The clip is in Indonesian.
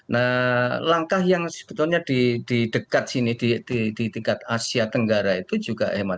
nah langkah yang sebetulnya di dekat sini di tingkat asia tenggara itu juga hemat